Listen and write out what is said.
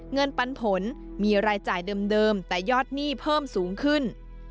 เงินปันผลมีรายจ่ายเดิมแต่ยอดหนี้เพิ่มสูงขึ้น